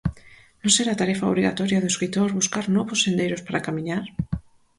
Non será tarefa obrigatoria do escritor buscar novos sendeiros para camiñar?